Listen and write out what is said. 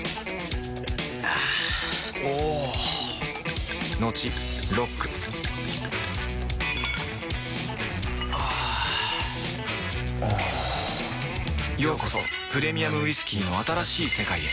あぁおぉトクトクあぁおぉようこそプレミアムウイスキーの新しい世界へ